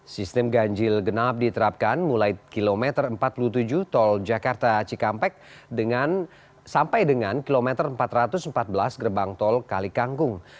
sistem ganjil genap diterapkan mulai kilometer empat puluh tujuh tol jakarta cikampek sampai dengan kilometer empat ratus empat belas gerbang tol kalikangkung